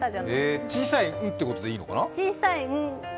小さい「ん」ということでいいのかな？